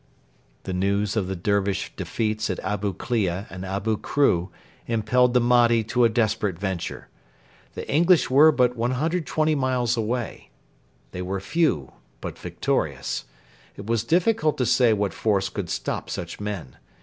The news of the Dervish defeats at Abu Klea and Abu Kru impelled the Mahdi to a desperate venture. The English were but 120 miles away. They were few, but victorious. It was difficult to say what force could stop such men.